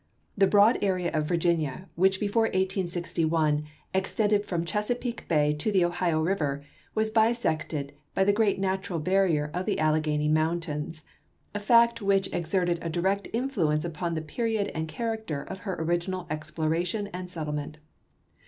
The broad area of Virginia, which before 1861 extended from Chesapeake Bay to the Ohio River, was bisected by the great natural barrier of the Alleghany mount ains, a fact which exerted a direct influence upon the period and character of her original exploration and settlement.